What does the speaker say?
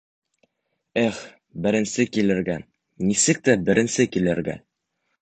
Эх, беренсе килергә, нисек тә беренсе килергә!